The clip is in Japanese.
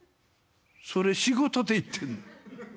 「それ仕事で行ってんの。